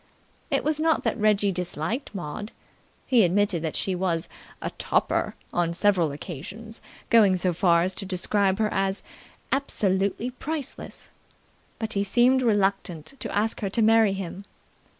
It was not that Reggie disliked Maud. He admitted that she was a "topper", on several occasions going so far as to describe her as "absolutely priceless". But he seemed reluctant to ask her to marry him.